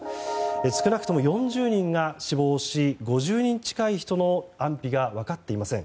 少なくとも４０人が死亡し５０人近い人の安否が分かっていません。